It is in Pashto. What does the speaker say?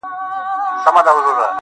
ده ده سقراط لوڼې، سچي فلسفې سترگي~